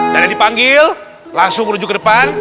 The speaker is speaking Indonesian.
dan yang dipanggil langsung menuju ke depan